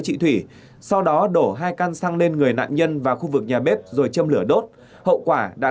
người sau đó đổ hai căn xăng lên người nạn nhân vào khu vực nhà bếp rồi châm lửa đốt hậu quả đã